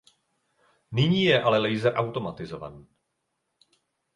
Nyní je ale laser automatizovaný.